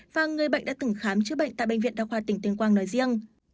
và người bệnh đã từng khám chữa bệnh tại bệnh viện đa khoa tỉnh tuyên quang nói riêng